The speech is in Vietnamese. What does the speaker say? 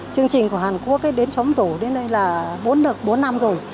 chương trình của hàn quốc đến xóm tổ đến đây là bốn lần bốn năm rồi